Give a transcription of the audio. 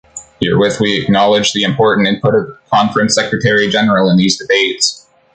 Herewith we acknowledge the important input of the Conference Secretary General in these debates.